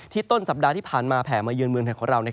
ต้นสัปดาห์ที่ผ่านมาแผ่มาเยือนเมืองไทยของเรา